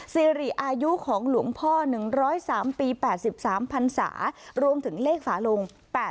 สิริอายุของหลวงพ่อ๑๐๓ปี๘๓พันศารวมถึงเลขฝาลง๘๘